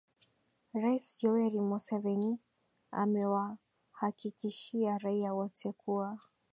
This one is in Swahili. rais yoweri museveni amewahakikishia raia wote kuwa